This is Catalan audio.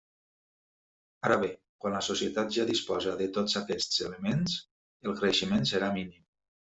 Ara bé, quan la societat ja disposa de tots aquests elements, el creixement serà mínim.